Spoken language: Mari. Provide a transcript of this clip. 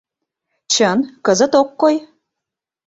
— Чын, кызыт ок кой.